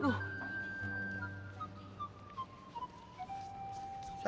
aduh kori mana ya